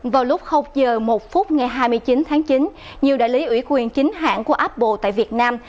vào lúc giờ một phút ngày hai mươi chín tháng chín nhiều đại lý ủy quyền chính hãng của apple tại việt nam